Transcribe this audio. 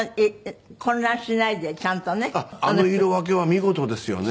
あの色分けは見事ですよね。